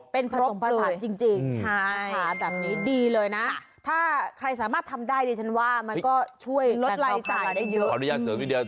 เป็นผสมภาษาจริงค่ะดีเลยนะถ้าใครสามารถทำได้ดิฉันว่ามันก็ช่วยลดไลฟ์จ่ายได้เยอะ